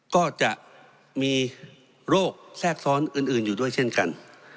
ก็จะมีโรคแทรกซ้อนอื่นอยู่ด้วยเช่นกัน